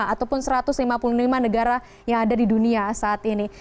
ataupun satu ratus lima puluh lima negara yang ada di dunia saat ini